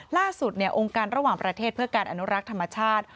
ล่าสุดองค์การระหว่างประเทศเพื่อการอนุรักษ์ธรรมชาติ